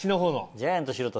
ジャイアント白田